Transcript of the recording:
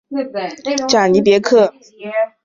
贾尼别克。